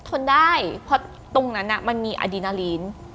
ทนได้เพราะตรงนั้นมันมีอดีนาลีน